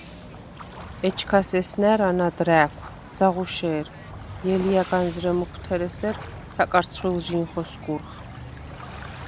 ეჩქას ესნა̈რ ანად რა̄̈ქვ, ძაღუშე̄რ: ჲელია̈ განზრე მუქვთერ ესერ საკარცხვილჟი̄ნ ხოსგურხ.